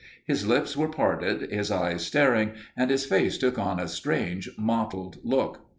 His lips were parted, his eyes staring, and his face took on a strange mottled look.